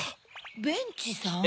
ベンチさん？